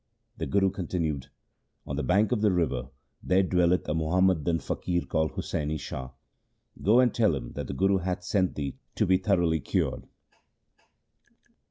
The Guru continued :' On the bank of the river there dwelleth a Muham madan faqir called Husaini Shah. Go and tell him that the Guru hath sent thee to be thoroughly cured.'